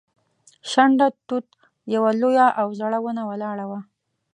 شنډه توت یوه لویه او زړه ونه ولاړه وه.